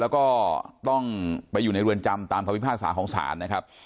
แล้วก็ต้องไปอยู่ในเรือนจำตามคำพิพากษาของศาลนะครับ